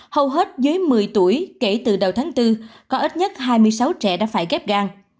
hầu hết dưới một mươi tuổi kể từ đầu tháng bốn có ít nhất hai mươi sáu trẻ đã phải ghép gan